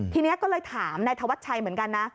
ทีนี้ก็เลยถามนายธวัชชัยเหมือนกันนะ